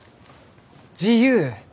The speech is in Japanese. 「自由」